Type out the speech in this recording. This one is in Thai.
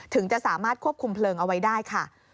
ถึงจะสามารถควบคุมเพลิงเอาไว้ได้ค่ะ